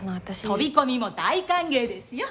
飛び込みも大歓迎ですよ！